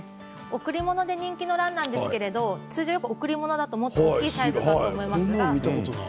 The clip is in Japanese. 贈り物で人気のランなんですけど通常、贈り物だと大きいサイズだと思います。